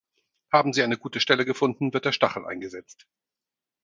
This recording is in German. Haben sie eine gute Stelle gefunden wird der Stachel eingesetzt.